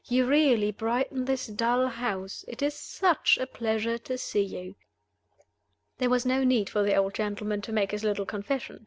You really brighten this dull house. It is such a pleasure to see you!" There was no need for the old gentleman to make his little confession.